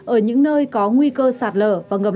ở những nơi có nguy cơ sạt lở và ngập